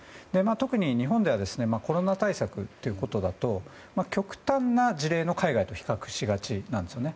特に、日本ではコロナ対策ということだと極端な事例の海外と比較しがちなんですよね。